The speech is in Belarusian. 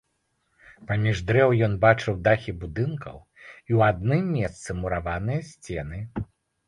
Паміж дрэў ён бачыў дахі будынкаў і ў адным месцы мураваныя сцены.